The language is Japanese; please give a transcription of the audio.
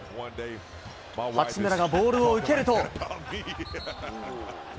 八村がボールを受けると。